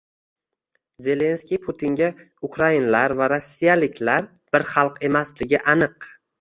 Zelenskiy Putinga: ukrainlar va rossiyaliklar bir xalq emasligi aniq